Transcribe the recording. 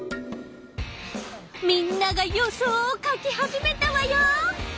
みんなが予想を書き始めたわよ！